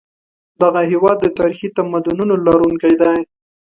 دغه هېواد د تاریخي تمدنونو لرونکی دی.